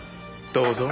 どうぞ。